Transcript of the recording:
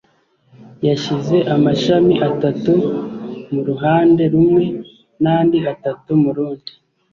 yashyize amashami atatu mu ruhande rumwe nandi atatu murundi.